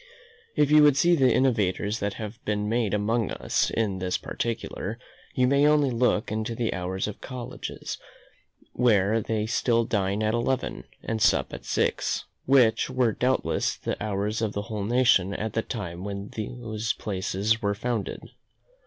If you would see the innovations that have been made among us in this particular, you may only look into the hours of colleges, where they still dine at eleven, and sup at six, which were doubtless the hours of the whole nation at the time when those places were founded.